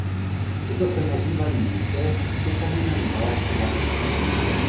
Tyto se nazývají nitě a připomínají malé filamenty.